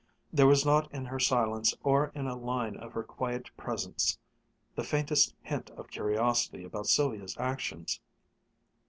There was not in her silence or in a line of her quiet presence the faintest hint of curiosity about Sylvia's actions.